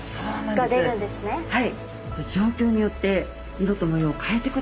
はい。